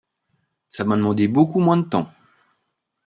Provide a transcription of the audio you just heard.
Ça m’a demandé beaucoup moins de temps.